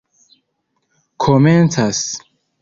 komencas